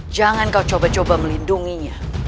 jangan kau coba coba melindunginya